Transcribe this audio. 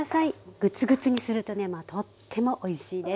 グツグツにするとねまあとってもおいしいです。